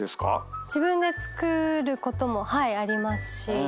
自分で作ることもありますし。